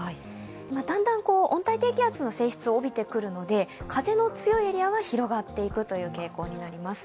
だんだん温帯低気圧の性質を帯びてくるので風の強いエリアは広がっていくという傾向になります。